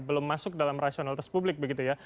belum masuk dalam rasionalitas publik begitu ya